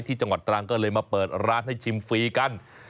จังหวัดตรังก็เลยมาเปิดร้านให้ชิมฟรีกัน